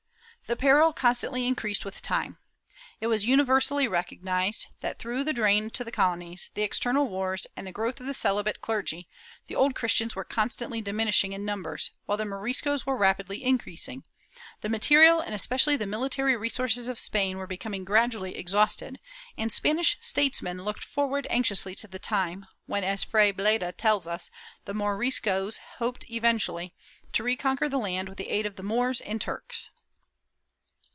^ The peril constantly increased with time. It was universally recognized that, through the drain to the colonies, the external wars, and the growth of the celibate clergy, the Old Christians were constantly diminishing in num bers, while the Moriscos were rapidly increasing; the material and especially the military resources of Spain were becoming gradually exhausted, and Spanish statesmen looked forward anxiously to the time when, as Fray Bleda tells us, the Moriscos hoped eventually, to reconquer the land with the aid of the Moors and Turks.